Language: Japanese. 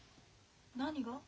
何が？